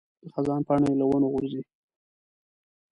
د خزان پاڼې له ونو غورځي.